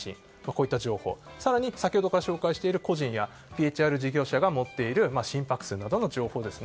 こういった情報更に先ほどから紹介している個人やＰＨＲ事業者が持っている心拍数などの情報。